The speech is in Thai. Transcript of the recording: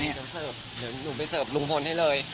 เดี๋ยวหนูเป็นเซิร์ฟลุงพลน่ะเลย